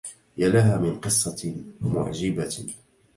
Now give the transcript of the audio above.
يا لها من قصة معجبة